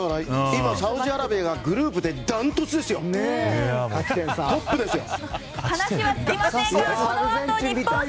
今、サウジアラビアがグループで断トツですよ。